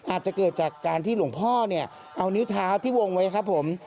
อาจจะเกิดจากการที่หลวงพ่อเนี่ยเอานิ้วเท้าที่วงไว้ครับผม